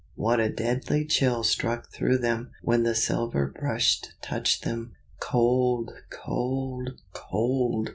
what a deadly chill struck through them when the silver brush touched them. Cold, cold, cold!